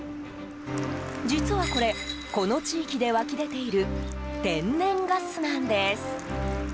実は、これこの地域で湧き出ている天然ガスなんです。